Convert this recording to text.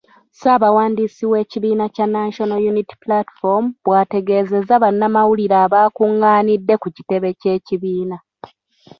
Ssaabawandiisi w’ekibiina kya National Unity Platform, bwategeezezza bannamawulire abakung’aanidde ku kitebe ky’ekibiina.